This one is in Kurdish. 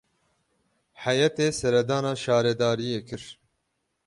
Heyetê seredana şaredariyê kir.